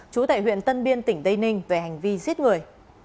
trú tại huyện tân biên tỉnh tây ninh về hành vi giết người